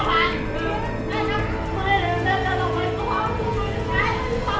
อย่าเอามันเดินเข้ามา